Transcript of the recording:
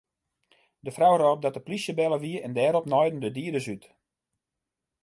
De frou rôp dat de plysje belle wie en dêrop naaiden de dieders út.